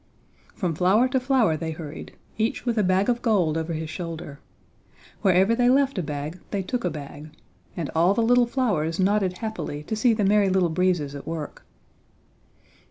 From flower to flower they hurried, each with a bag of gold over his shoulder. Wherever they left a bag they took a bag, and all the little flowers nodded happily to see the Merry Little Breezes at work.